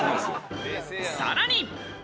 さらに。